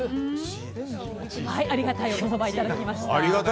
ありがたいお言葉いただきました。